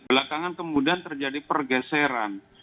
belakangan kemudian terjadi pergeseran